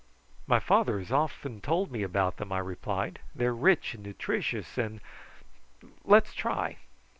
"My father has often told me about them," I replied. "They are rich and nutritious, and let's try."